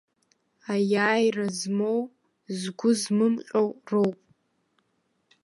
Аиааира змоу згәы змымҟьо роуп.